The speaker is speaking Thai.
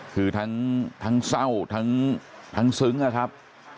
คือทั้งเศร้าทั้งซึ้งนะครับ